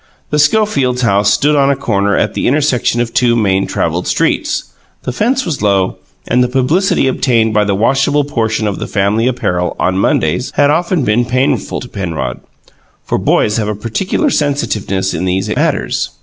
The Schofields' house stood on a corner at the intersection of two main travelled streets; the fence was low, and the publicity obtained by the washable portion of the family apparel, on Mondays, had often been painful to Penrod; for boys have a peculiar sensitiveness in these matters.